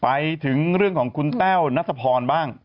ไปถึงเรื่องของคุณแต้วนัทพรบ้าง